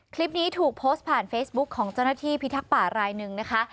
คลิปนี้ถูกโพสต์ผ่านเฟซบุ๊คของเจ้าหน้าที่พิทักษ์ป่ารายหนึ่งนะคะ